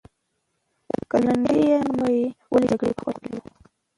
که لنډۍ یې نه وای ویلې، جګړه به خورېدلې وه.